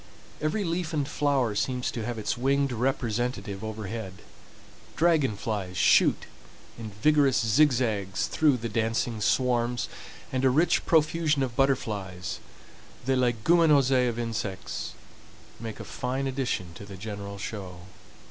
Every leaf and flower seems to have its winged representative overhead. Dragon flies shoot in vigorous zigzags through the dancing swarms, and a rich profusion of butterflies—the leguminosae of insects—make a fine addition to the general show.